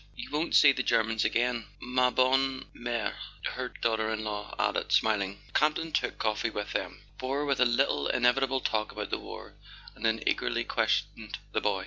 "You won't see the Germans again, ma bonne merel " her daughter in law added, smiling. Campton took coffee with them, bore with a little inevitable talk about the war, and then eagerly ques¬ tioned the son.